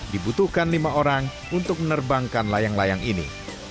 dibutuhkan lima orang untuk menerbangkan layang layang ini